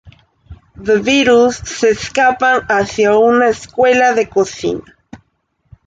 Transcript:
The Beatles se escapan hacia una escuela de cocina.